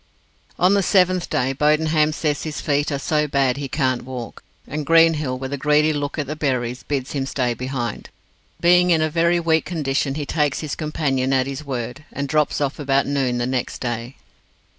On the seventh day, Bodenham says his feet are so bad he can't walk, and Greenhill, with a greedy look at the berries, bids him stay behind. Being in a very weak condition, he takes his companion at his word, and drops off about noon the next day.